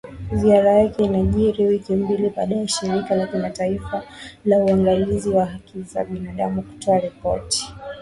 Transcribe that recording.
Ziara yake inajiri wiki mbili baada ya Shirika la kimataifa la uangalizi wa Haki za Binadamu kutoa ripoti.